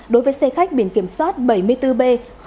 đối với xe khách biển kiểm soát bảy mươi bốn b bốn trăm hai mươi sáu